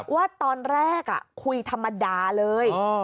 ว่าตอนแรกคุยธรรมดาเลย